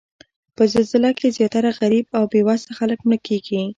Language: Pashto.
په زلزله کې زیاتره غریب او بې وسه خلک مړه کیږي